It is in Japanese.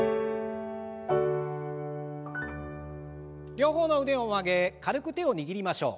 両方の腕を上げ軽く手を握りましょう。